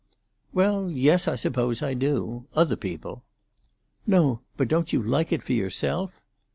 "Well, yes, I suppose I do. Other people." "No; but don't you like it for yourself?"